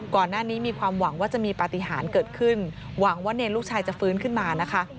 ก่อนหน้านี้มีความหวังว่าจะมีปฏิหารเกิดขึ้นหวังว่าเนรลูกชายจะฟื้นขึ้นมานะคะ